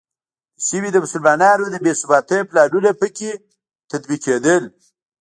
د سیمې د مسلمانانو د بې ثباتۍ پلانونه په کې تطبیقېدل.